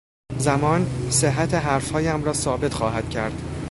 زمان، صحت حرفهایم را ثابت خواهد کرد.